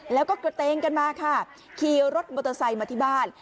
แล้วก็กระเตงกันมาค่ะขี่รถมอเตอร์ไซค์มาที่บ้าน